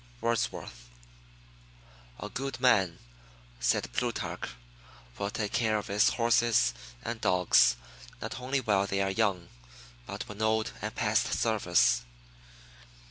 Wordsworth. "A good man," said Plutarch, "will take care of his Horses and Dogs, not only while they are young, but when old and past service."